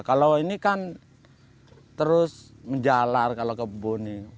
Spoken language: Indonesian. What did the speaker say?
kalau ini kan terus menjalar kalau kebun ini